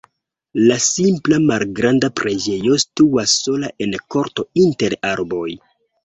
La simpla malgranda preĝejo situas sola en korto inter arboj.